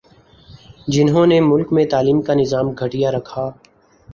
جہنوں نے ملک میں تعلیم کا نظام گٹھیا رکھا